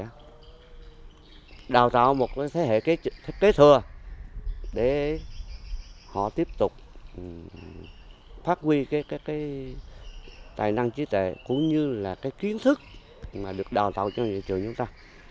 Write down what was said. và đào tạo một thế hệ kế thừa để họ tiếp tục phát huy cái tài năng trí tệ cũng như là cái kiến thức mà được đào tạo trong dịch vụ chúng ta